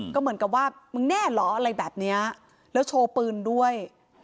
ก็เหมือนกับว่ามึงแน่เหรออะไรแบบนี้แล้วโชว์ปืนด้วย